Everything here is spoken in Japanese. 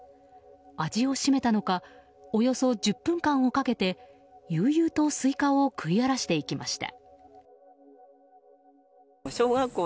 味を占めたのかおよそ１０分間をかけて悠々とスイカを食い荒らしていきました。